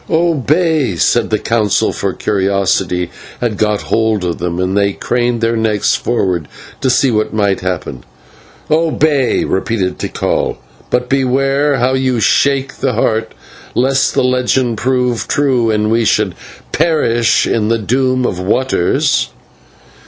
Obey!" said the Council, for curiosity had got a hold of them, and they craned their necks forward to see what might happen. "Obey!" repeated Tikal. "But beware how you shake the Heart, lest the legend prove true and we should perish in the doom of waters."